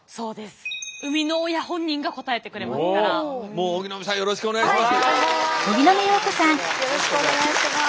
よろしくお願いします。